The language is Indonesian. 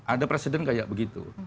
ada presiden seperti itu